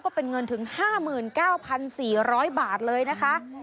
เป็นเงินถึง๕๙๔๐๐บาทเลยนะคะ